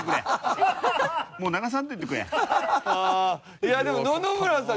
いやでも野々村さん